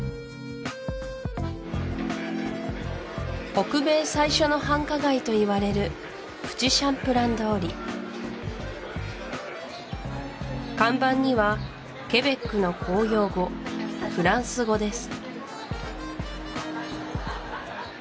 北米最初の繁華街といわれる看板にはケベックの公用語フランス語です